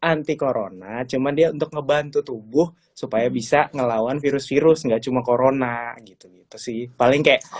anti corona cuman dia untuk ngebantu tubuh supaya bisa ngelawan virus virus nggak cuma corona gitu gitu sih paling kayak